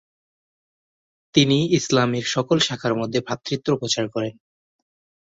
তিনি ইসলামের সকল শাখার মধ্যে ভ্রাতৃত্ব প্রচার করেন।